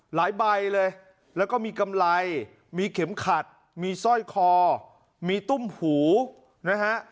ใบเลยแล้วก็มีกำไรมีเข็มขัดมีสร้อยคอมีตุ้มหูนะฮะ